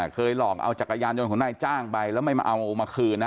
เคยหลอกเอาจักรยานยนต์ของนายจ้างไปแล้วไม่มาเอามาคืนนะ